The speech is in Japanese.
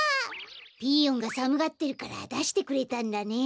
ピーヨンがさむがってるからだしてくれたんだね。